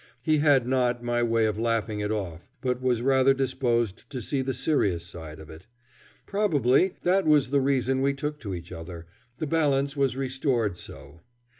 He had not my way of laughing it off, but was rather disposed to see the serious side of it. Probably that was the reason we took to each other; the balance was restored so.